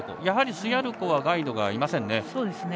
やはりスヤルコはガイドがいませんね。